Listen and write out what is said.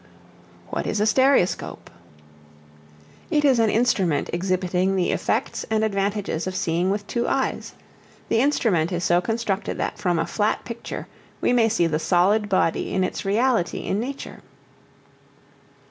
What is a Stereoscope? It is an instrument exhibiting the effects and advantages of seeing with two eyes. The instrument is so constructed that from a flat picture we may see the solid body in its reality in nature.